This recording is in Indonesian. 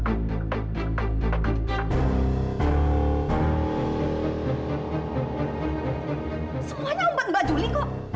silahkan cek sendiri